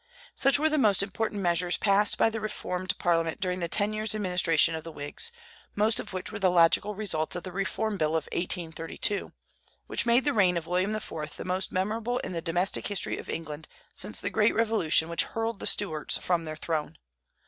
Such were the most important measures passed by the reformed Parliament during the ten years' administration of the Whigs, most of which were the logical results of the Reform Bill of 1832, which made the reign of William IV. the most memorable in the domestic history of England since the great Revolution which hurled the Stuarts from their throne.